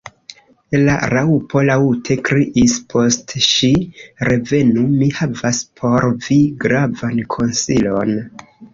La Raŭpo laŭte kriis post ŝi. "Revenu! mi havas por vi gravan konsilon."